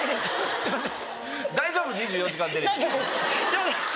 すいません。